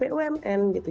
anak bumn atau cucu bumn